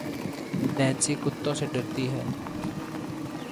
Nancy کتّوں سے درتی ہے